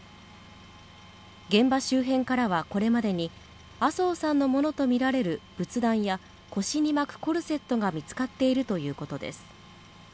現場周辺からはこれまでに麻生さんのものとみられる仏壇や腰に巻くコルセットが見つかっているということです。